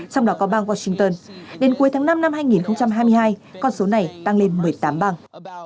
trong đó có bang washington đến cuối tháng năm năm hai nghìn hai mươi hai con số này tăng lên một mươi tám bang